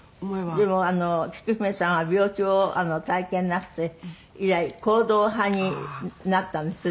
でもきく姫さんは病気を体験なすって以来行動派になったんですって？